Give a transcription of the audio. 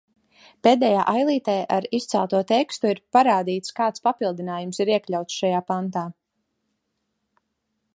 Pēdējā ailītē ar izcelto tekstu ir parādīts, kāds papildinājums ir iekļauts šajā pantā.